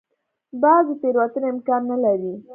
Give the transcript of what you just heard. باز د تېروتنې امکان نه لري